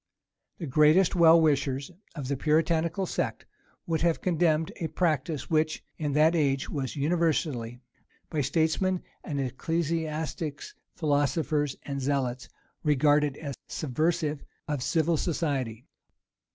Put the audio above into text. The greatest well wishers of the Puritanical sect would have condemned a practice, which in that age was universally, by statesmen and ecclesiastics philosophers and zealots, regarded as subversive of civil society.